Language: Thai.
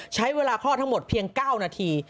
ใช้เวลาคลอดทั้งหมดเพียง๙นาที